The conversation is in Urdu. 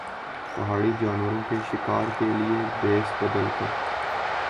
پہاڑی جانوروں کے شکار کے لئے بھیس بدل کر